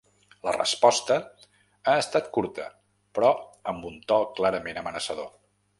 La resposta ha estat curta, però amb un to clarament amenaçador.